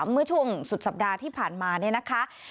เมื่อช่วงสุดสัปดาห์ที่ผ่านมาเนี่ยนะคะ